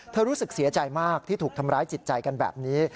รู้สึกเสียใจมากที่ถูกทำร้ายจิตใจกันแบบนี้